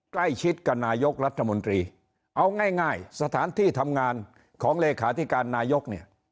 ใกล้ชิดกับนายกรัฐมนตรีเอาง่ายสถานที่ทำงานของเลขาธิการนายกเนี่ย